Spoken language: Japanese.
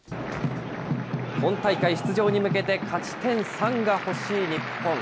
本大会出場に向けて、勝ち点３が欲しい日本。